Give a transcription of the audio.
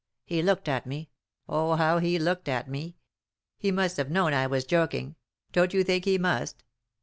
He looked at me— oh how he looked at me I He must have known I was joking ; don't you think he must?"